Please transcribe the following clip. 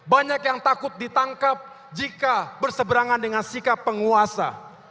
banyak yang takut ditangkap jika berseberangan dengan sikap penguasa